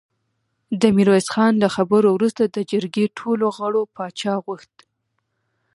د ميرويس خان له خبرو وروسته د جرګې ټولو غړو پاچا غوښت.